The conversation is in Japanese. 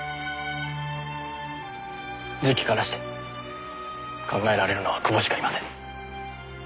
時期からして考えられるのは久保しかいません。